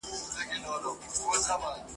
پلنډه نه وه د طلاوو خزانه وه ..